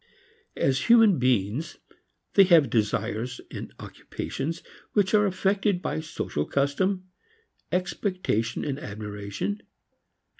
As human beings they have desires and occupations which are affected by social custom, expectation and admiration.